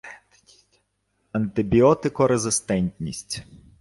антибіотикорезистентність